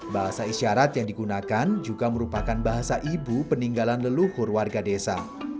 bahasa isyarat yang digunakan juga merupakan bahasa ibu peninggalan leluhur warga desa